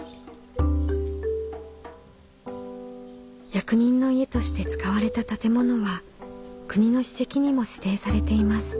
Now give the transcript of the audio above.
役人の家として使われた建物は国の史跡にも指定されています。